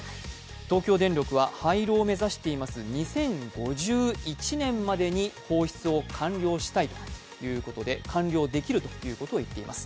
東京電力は、廃炉を目指す２０５１年までに放出を完了したいということで、完了できるということを言っています。